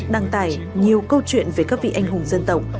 đăng tải nhiều câu chuyện về các vị anh hùng dân tộc